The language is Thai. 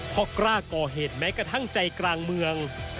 เพราะกล้าก่อเหตุแม้กระทั่งใจกลางเมือง